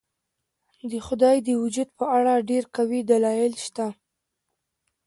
د خدای د وجود په اړه ډېر قوي دلایل شته.